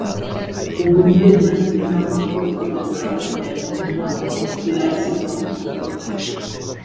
uburyo yagena uko iryo saba ryagenda ntago birashyirwa mu bikorwa